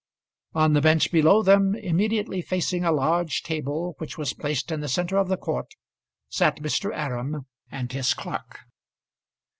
On the bench below them, immediately facing a large table which was placed in the centre of the court, sat Mr. Aram and his clerk.